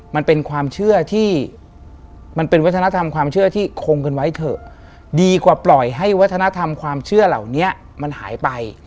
มันเป็นความเชื่อที่มันเป็นวัฒนธรรมความเชื่อที่คงกันไว้เถอะดีกว่าปล่อยให้วัฒนธรรมความเชื่อเหล่านี้มันหายไป